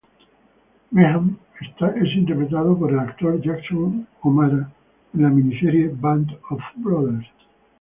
Meehan es interpretado por el actor Jason O'Mara en la miniserie Band of Brothers.